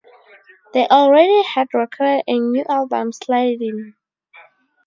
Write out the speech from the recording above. They already had recorded a new album "Slide It In".